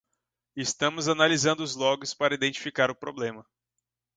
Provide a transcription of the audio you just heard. Estamos analisando os logs para identificar o problema.